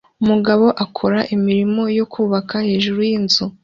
Umugabo akora imirimo yo kubaka hejuru yinzu